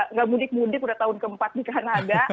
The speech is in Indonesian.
nggak mudik mudik udah tahun ke empat di kanada